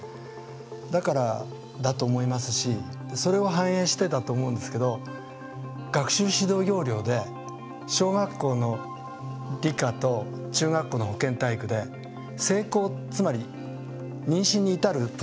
だからだと思いますしそれを反映してだと思うんですけど学習指導要領で小学校の理科と中学校の保健体育で性交、つまり妊娠に至るプロセス